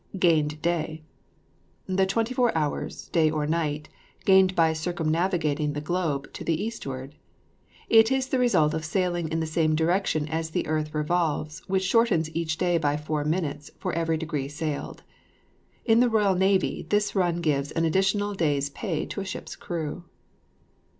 GAINED DAY. The twenty four hours, or day and night, gained by circumnavigating the globe to the eastward. It is the result of sailing in the same direction as the earth revolves, which shortens each day by four minutes for every degree sailed. In the Royal Navy this run gives an additional day's pay to a ship's crew.